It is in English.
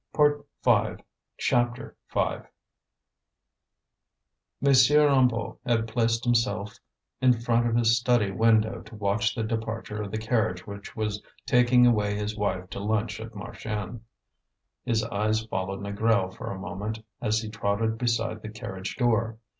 bread!" CHAPTER V M. Hennebeau had placed himself in front of his study window to watch the departure of the carriage which was taking away his wife to lunch at Marchiennes. His eyes followed Négrel for a moment, as he trotted beside the carriage door.